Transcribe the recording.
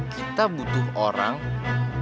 kita butuh orang yang bisa deketin dan menjaga kita